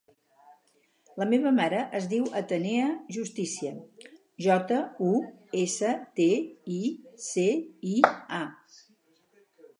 La meva mare es diu Atenea Justicia: jota, u, essa, te, i, ce, i, a.